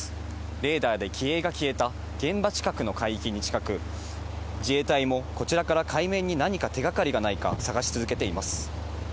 レーダーで機影が消えた現場近くの海域に近く、自衛隊もこちらから海面に何か手がかりがないか、捜し続けています。